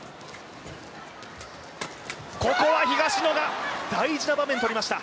ここは東野が大事な場面を取りました。